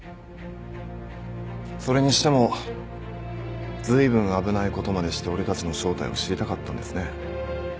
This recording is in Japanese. それにしてもずいぶん危ないことまでして俺たちの正体を知りたかったんですね。